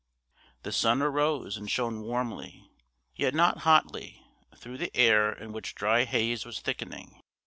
The sun arose and shone warmly, yet not hotly, through the air in which dry haze was thickening.